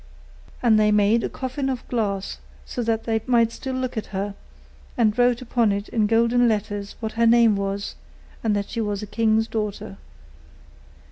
And they made a coffin of glass, so that they might still look at her, and wrote upon it in golden letters what her name was, and that she was a king's daughter.